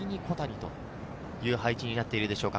という配置になっているでしょうか。